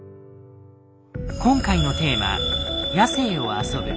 今回のテーマ「野性を遊ぶ」。